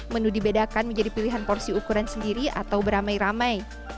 menu dibedakan menjadi pilihan porsi ukuran sendiri atau beramai ramai